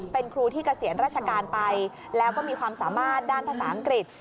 เป็นครูที่เกษียณราชการไปแล้วก็มีความสามารถด้านภาษาอังกฤษ